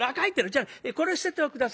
じゃあこれを捨てて下さい。